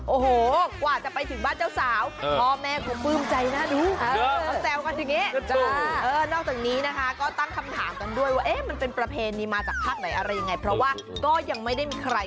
โอ้โหกว่าจะไปถึงบ้านเจ้าสาวพ่อแม่เขาปลื้มใจน่าดู